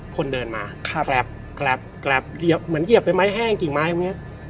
คนเดินมาแกร็บแกร็บเหมือนเหยียบไปไม้แห้งกิ่งไม้